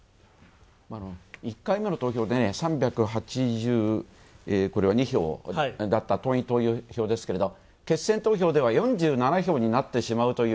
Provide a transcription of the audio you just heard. １回目の投票で３８２票だった党員・党友票ですけど、決選投票では４７票になってしまうという。